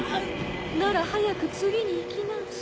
なら早く次に行きなんし。